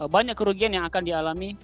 banyak kerugian yang akan dialami